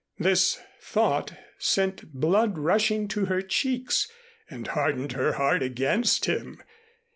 This thought sent the blood rushing to her cheeks and hardened her heart against him.